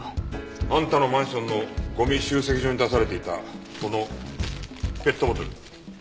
あんたのマンションのゴミ集積所に出されていたこのペットボトル。